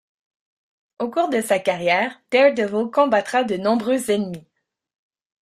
Au cours de sa carrière, Daredevil combattra de nombreux ennemis.